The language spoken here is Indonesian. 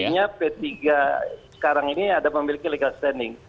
artinya p tiga sekarang ini ada memiliki legal standing